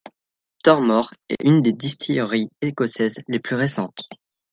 Tormore est une des distilleries écossaises les plus récentes.